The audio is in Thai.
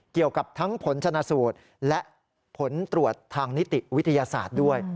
เกี่ยวกับทั้งผลชนะสูตรและผลตรวจทางนิติวิทยาศาสตร์ด้วย